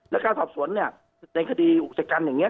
และการสอบสวนเนี่ยในคดีอุกชกันอย่างนี้